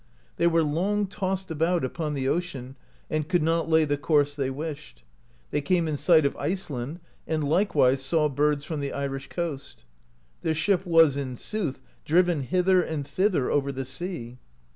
They w^ere long tossed about upon the ocean, and could not lay the course they wished. They came in sight of Iceland, and likewise saw birds from the Irish coast. Their ship was, in sooth, driven hither and thither over the sea.